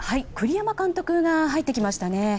栗山監督が入ってきました。